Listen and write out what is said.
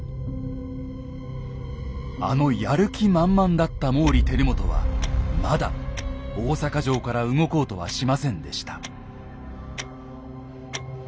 あのやる気満々だった毛利輝元はまだ大坂城から動こうとはしませんでした。